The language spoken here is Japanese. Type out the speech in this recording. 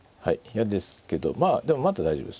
嫌ですけどまあでもまだ大丈夫です。